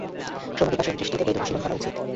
ক্রমবিকাশের দৃষ্টিতে বেদ অনুশীলন করা উচিত।